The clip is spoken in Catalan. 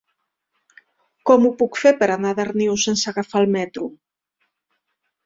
Com ho puc fer per anar a Darnius sense agafar el metro?